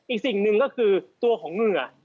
อีกสิ่งหนึ่งก็คือตัวของเหงื่อ